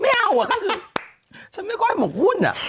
ไม่เอาอ่ะก็คือฉันไม่ค่อยหมกหุ้นอ่ะ